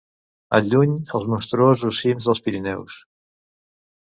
Al lluny, els monstruosos cims dels Pirineus